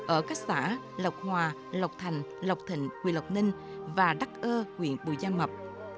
ở các xã lộc hòa lộc thành lộc thịnh quỳ lộc ninh và đắc ơ huyện bùi gia mập